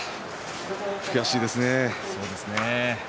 悔しいですね。